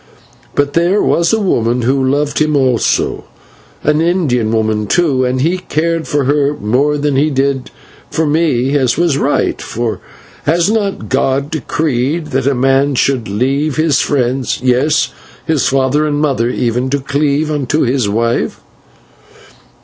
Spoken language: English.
But there was a woman who loved him also, an Indian woman too, and he cared for her more than he did for me, as was right, for has not God decreed that a man should leave his friends, yes, his father and mother even, and cleave unto his wife?"